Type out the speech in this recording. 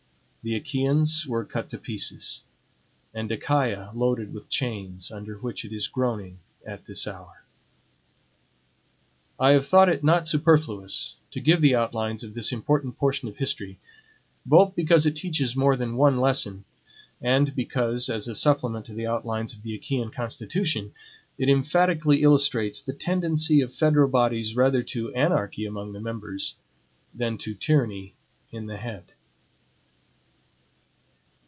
The Achaeans were cut to pieces, and Achaia loaded with chains, under which it is groaning at this hour. I have thought it not superfluous to give the outlines of this important portion of history; both because it teaches more than one lesson, and because, as a supplement to the outlines of the Achaean constitution, it emphatically illustrates the tendency of federal bodies rather to anarchy among the members, than to tyranny in the head.